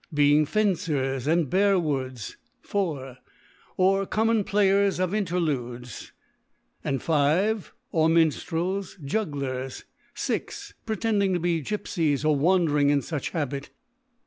Bring Fencer^ and Bear wards. 4. Or com mon Players of Interludes, (^c. 5. OrMin ftrels, Jugglers. 6. Pretending to be Gyp fies, or wandering in fuch Habit.